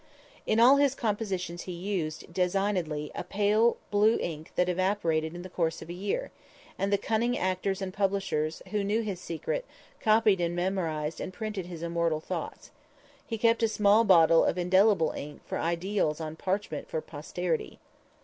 In all his compositions he used, designedly, a pale blue ink that evaporated in the course of a year, and the cunning actors and publishers, who knew his secret, copied and memorized and printed his immortal thoughts. He kept a small bottle of indelible ink for ideals on parchment for posterity.